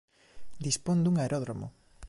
Dispón dun aeródromo.